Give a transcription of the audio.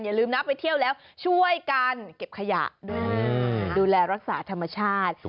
อย่าลืมนะไปเที่ยวแล้วช่วยกันเก็บขยะด้วยนะดูแลรักษาธรรมชาติ